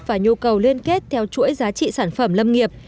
và nhu cầu liên kết theo chuỗi giá trị sản phẩm lâm nghiệp